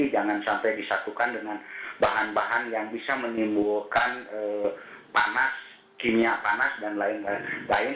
jangan sampai disatukan dengan bahan bahan yang bisa menimbulkan panas kimia panas dan lain lain